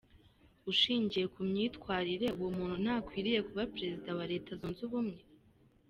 Ushingiye ku myitwaririre, uwo muntu ntakwiriye kuba Perezida wa Leta Zunze Ubumwe.